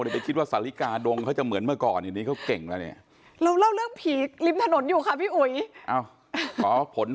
ที่ติดวิดีโอ